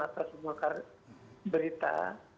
atau sebuah berita